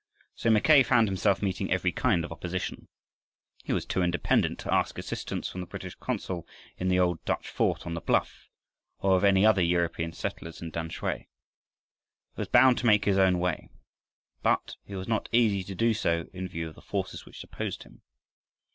So Mackay found himself meeting every kind of opposition. He was too independent to ask assistance from the British consul in the old Dutch fort on the bluff, or of any other European settlers in Tamsui. He was bound to make his own way. But it was not easy to do so in view of the forces which opposed him.